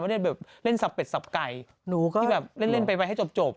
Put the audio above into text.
ได้แบบเล่นสับเป็ดสับไก่หนูก็ที่แบบเล่นเล่นไปให้จบ